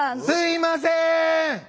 すいません！